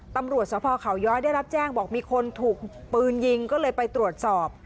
ตำรวจสภเขาย้อยได้รับแจ้งบอกมีคนถูกปืนยิงก็เลยไปตรวจสอบ